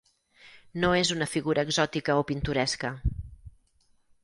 No és una figura exòtica o pintoresca.